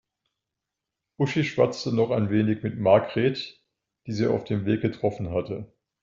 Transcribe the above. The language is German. Uschi schwatzte noch ein wenig mit Margret, die sie auf dem Weg getroffen hatte.